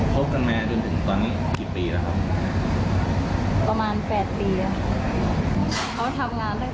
เขาบอกว่าเวลาทีก็ต้องเหนื่อยเข่าจอบเลียนไปประมาณปีนึง